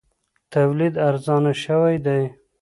تولید ارزانه شوی دی.